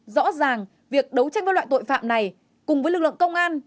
rõ ràng việc đấu tranh với loại tội phạm này cùng với lực lượng công an